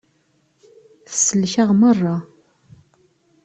Tsellek-aɣ merra.